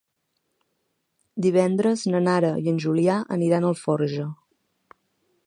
Divendres na Nara i en Julià aniran a Alforja.